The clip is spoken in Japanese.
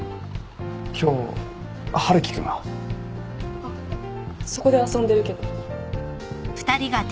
今日春樹君は？あっそこで遊んでるけど。